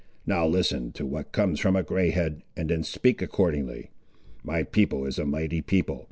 Now listen to what comes from a grey head, and then speak accordingly. My people is a mighty people.